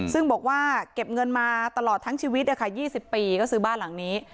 ซึ่งบอกว่าเก็บเงินมาตลอดทั้งชีวิต๒๐ปีก็ซื้อบ้านหลังนี้